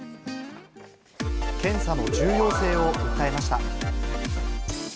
検査の重要性を訴えました。